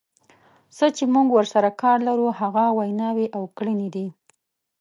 څه چې موږ ورسره کار لرو هغه ویناوې او کړنې دي.